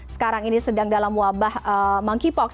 sekarang ini sedang dalam wabah monkeypox